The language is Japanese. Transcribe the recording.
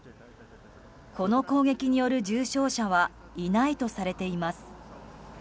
この攻撃による重傷者はいないとされています。